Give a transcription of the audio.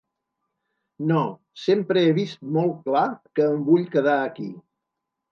No, sempre he vist molt clar que em vull quedar aquí.